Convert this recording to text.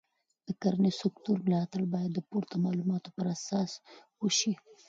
د کرنې سکتور ملاتړ باید د پورته معلوماتو پر اساس وشي.